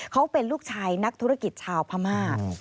เขาเป็นลูกชายนักธุรกิจชาวพม่า